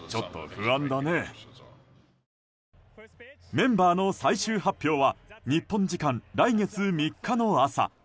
メンバーの最終発表は日本時間、来月３日の朝。